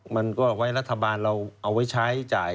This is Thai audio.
มันก็ไว้รัฐบาลเราเอาไว้ใช้จ่าย